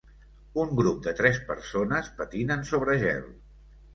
Un grup de tres persones patinen sobre gel.